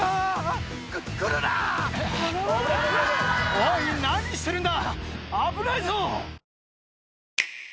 おい何してるんだ！